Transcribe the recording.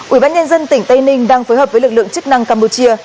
ủy ban nhân dân tỉnh tây ninh đang phối hợp với lực lượng chức năng campuchia